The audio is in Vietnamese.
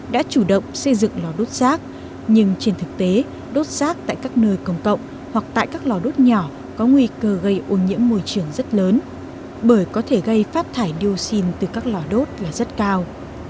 đã chủ động xây dựng lò đốt rác nhưng trên thực tế đốt rác tại các nơi công cộng hoặc tại các lò đốt nhỏ có nguy cơ gây ô nhiễm môi trường rất lớn bởi có thể gây phát thải dioxin từ các lò đốt là rất cao